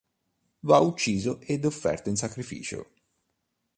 Va ucciso ed offerto in sacrificio.